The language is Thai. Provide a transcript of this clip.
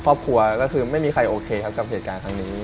ครอบครัวก็คือไม่มีใครโอเคครับกับเหตุการณ์ครั้งนี้